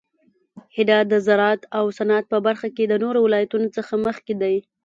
هرات د زراعت او صنعت په برخه کې د نورو ولایتونو څخه مخکې دی.